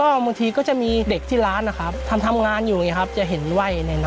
ความเชื่อของเราที่หลักเลยทางร้านจะบูชากองค์ปู่ทาเวสวัน